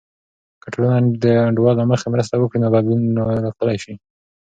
که ټولنه د انډول له مخې مرسته وکړي، نو بدلون راتللی سي.